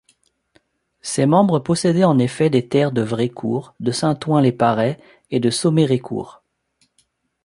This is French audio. Ses membres possédaient en effet les terres de Vrécourt, de Saint-Ouen-lès-Parey et de Sommerécourt.